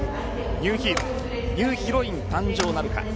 ニューヒーローニューヒロイン誕生なるか。